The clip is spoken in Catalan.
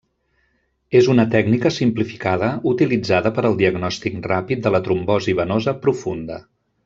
És una tècnica simplificada utilitzada per al diagnòstic ràpid de la trombosi venosa profunda.